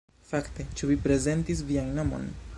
Fakte, ĉu vi prezentis vian nomon?